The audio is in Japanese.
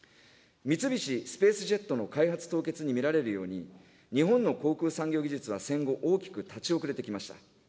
三菱スペースジェットの開発凍結に見られるように、日本の航空産業技術は戦後大きく立ち遅れてきました。